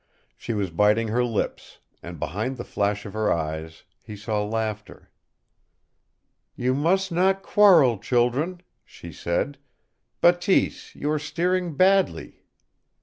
She was biting her lips, and behind the flash of her eyes he saw laughter. "You must not quarrel, children," she said. "Bateese, you are steering badly."